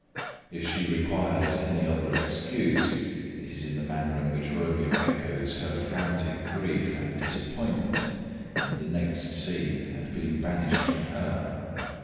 If she requires any other excuse, it is in the manner in which Romeo echoes her frantic grief and disappointment in the next scene at being banished from her.